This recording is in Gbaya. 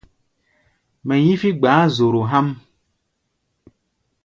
Mɛ hí̧fí̧ gbáá zoro há̧ʼm.